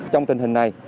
trong tình hình này